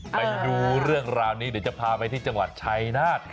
ไปดูเรื่องราวนี้เดี๋ยวจะพาไปที่จังหวัดชัยนาธ